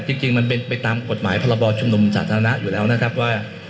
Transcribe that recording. จริงมันเป็นไปตามกฎหมายพรบชุมนุมสาธารณะอยู่แล้วนะครับว่า